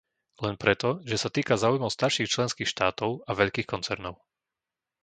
Len preto, že sa týka záujmov starších členských štátov a veľkých koncernov.